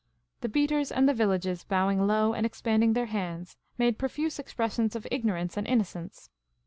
The beaters and the villagers, bowing low and expanding their hands, made profuse expressions of ignorance and inno cence.